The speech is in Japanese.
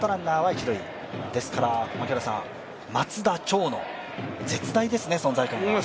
ですから松田、長野、絶大ですね、存在感が。